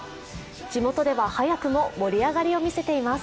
地元では早くも盛り上がりを見せています。